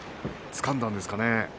つかんだんですかね。